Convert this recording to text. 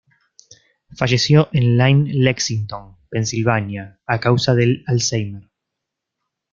Falleció en Line Lexington, Pensilvania a causa del Alzheimer